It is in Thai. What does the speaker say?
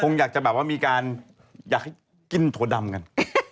อยากจะแบบว่ามีการอยากให้กินถั่วดำกัน